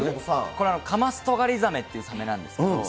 これ、カマストガリザメっていうサメなんです。